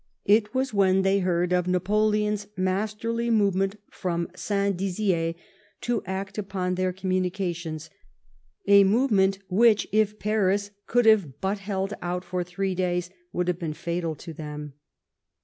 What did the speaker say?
It was v/hen they heard of Napoleon's masterly movement from St. Dizier to act upon their communications — a movement which, if Paris could have but held out for three days, would have been fatal to them.